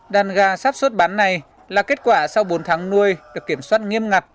đàn gà sắp xuất bán này là kết quả sau bốn tháng nuôi được kiểm soát nghiêm ngặt